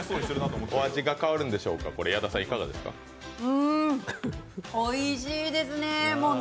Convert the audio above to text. うん、おいしいですね。